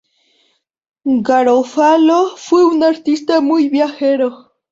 Garofalo fue un artista muy viajero.